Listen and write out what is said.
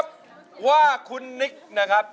๔๐๐๐๐บาทนะครับ